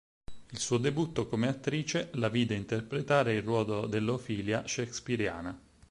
Il suo debutto come attrice la vide interpretare il ruolo dell'Ofelia shakespeariana.